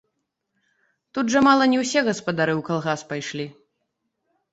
Тут жа мала не ўсе гаспадары ў калгас пайшлі.